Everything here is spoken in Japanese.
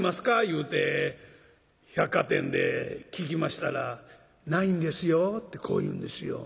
言うて百貨店で聞きましたら「ないんですよ」ってこう言うんですよ。